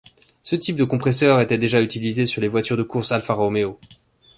Ce type de compresseur était déjà utilisé sur les voitures de course Alfa Romeo.